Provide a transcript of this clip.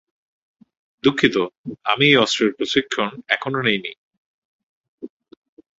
দুঃখিত, আমি এই অস্ত্রের প্রশিক্ষণ এখনও নেইনি।